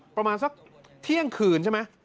ประมาณสักเที่ยงคืนใช่ไหม